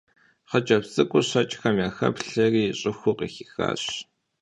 Хъыджэбз цӀыкӀур щэкӀхэм яхэплъэри щӀыхур къыхихащ.